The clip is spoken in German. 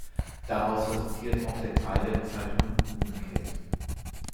Daraus resultiert auch der Teil der Bezeichnung „umgekehrt“.